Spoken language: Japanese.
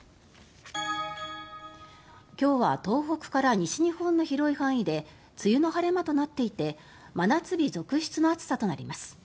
今日は東北から西日本の広い範囲で梅雨の晴れ間となっていて真夏日続出の暑さとなります。